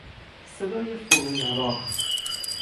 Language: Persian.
صدای فرو نواخت